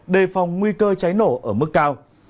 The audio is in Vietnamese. đề phòng nguy cơ cháy nổ ở mức cao